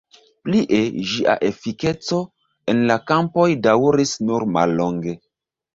Plie, ĝia efikeco en la kampoj daŭris nur mallonge.